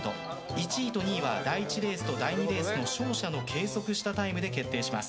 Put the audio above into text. １位と２位は第１レースと第２レースの勝者の計測したタイムで決定します。